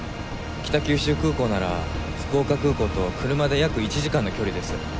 北九州空港なら福岡空港と車で約１時間の距離です。